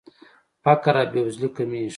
فقر او بېوزلي کمیږي.